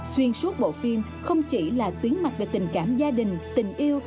xuyên suốt bộ phim không chỉ là tuyến mạch về tình cảm gia đình tình yêu